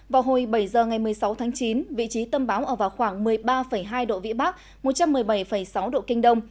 vào hồi bảy giờ ngày một mươi sáu tháng chín vị trí tâm bão ở vào khoảng một mươi ba hai độ vĩ bắc một trăm một mươi bảy sáu độ kinh đông